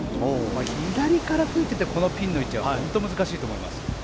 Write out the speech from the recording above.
左から吹いていてこのピンの位置は本当に難しいと思います。